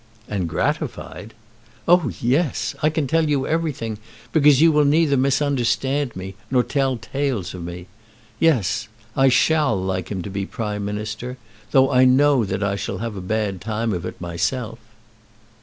"And gratified?" "Oh yes. I can tell you everything, because you will neither misunderstand me nor tell tales of me. Yes, I shall like him to be Prime Minister, though I know that I shall have a bad time of it myself."